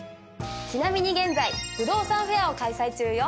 ちなみに現在不動産フェアを開催中よ。